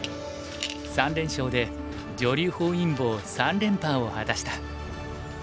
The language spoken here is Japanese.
３連勝で女流本因坊三連覇を果たした。